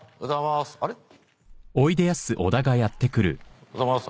・おはようございまーす。